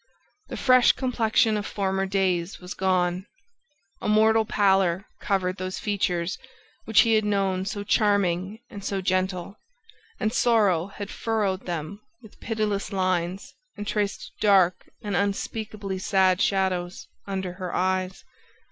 The fresh complexion of former days was gone. A mortal pallor covered those features, which he had known so charming and so gentle, and sorrow had furrowed them with pitiless lines and traced dark and unspeakably sad shadows under her eyes.